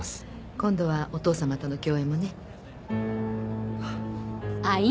今度はお父様との共演もね。